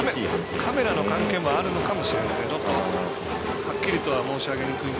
カメラの関係もあるかもしれません。